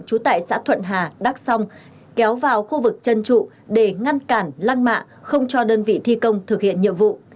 trú tại xã thuận hà đắc song kéo vào khu vực chân trụ để ngăn cản lăng mạ không cho đơn vị thi công thực hiện nhiệm vụ